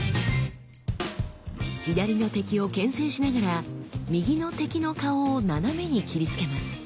左の敵を牽制しながら右の敵の顔を斜めに斬りつけます。